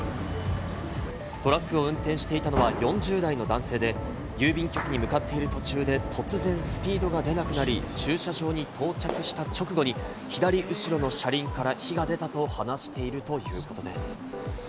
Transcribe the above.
トラックを運転していたのは４０代の男性で、郵便局に向かっている途中で突然、スピードが出なくなり、駐車場に到着した直後に左後ろの車輪から火が出たと話しているということです。